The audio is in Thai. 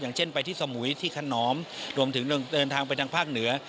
เช่นไปที่สมุยที่ขนอมรวมถึงเดินทางไปทางภาคเหนือ